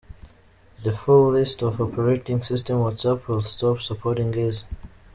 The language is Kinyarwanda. The full list of operating systems WhatsApp will stop supporting is:.